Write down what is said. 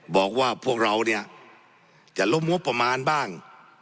บอกว่าพวกเราเนี่ยจะล้มงบประมาณบ้าง